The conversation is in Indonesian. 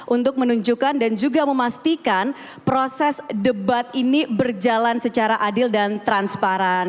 untuk menunjukkan dan juga memastikan proses debat ini berjalan secara adil dan transparan